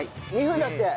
２分だって。